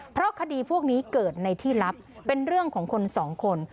เพราะคดีพวกนี้เกิดในที่ลับเป็นเรื่องของคนสองคน